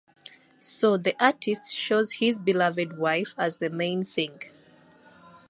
So the artist shows his beloved wife as the main thing.